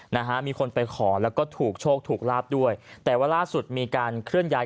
นะฮะมีคนไปขอแล้วก็ถูกโชคถูกลาบด้วยแต่ว่าล่าสุดมีการเคลื่อนย้าย